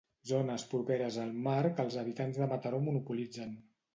Zones properes al mar que els habitants de Mataró monopolitzen.